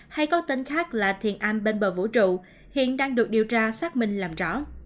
hay có tên khác là thiền an bên bờ vũ trụ hiện đang được điều tra xác minh làm rõ